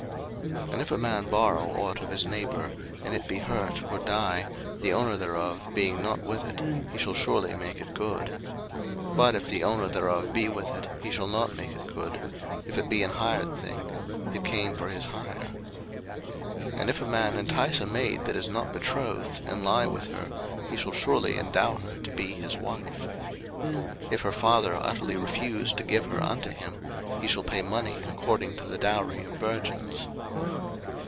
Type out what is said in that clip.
02:022:014 And if a man borrow ought of his neighbour, and it be hurt, or die, the owner thereof being not with it, he shall surely make it good. 02:022:015 But if the owner thereof be with it, he shall not make it good: if it be an hired thing, it came for his hire. 02:022:016 And if a man entice a maid that is not betrothed, and lie with her, he shall surely endow her to be his wife. 02:022:017 If her father utterly refuse to give her unto him, he shall pay money according to the dowry of virgins.